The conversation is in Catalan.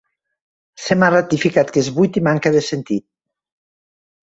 Se m'ha ratificat que és buit i manca de sentit.